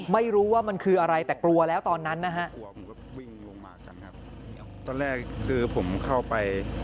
ไม่รู้ว่ามันคืออะไรแต่กลัวแล้วตอนนั้นนะฮะ